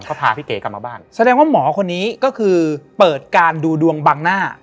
ก็พาพี่เก๋กลับมาบ้านแสดงว่าหมอคนนี้ก็คือเปิดการดูดวงบังหน้า